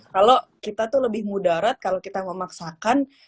kalau kita tuh lebih mudarat kalau kita memaksakan